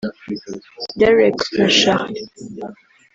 Dereck na Charly